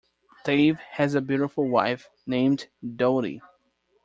Dave has a beautiful wife named Dottie.